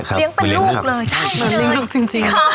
เลี้ยงเป็นลูกเลย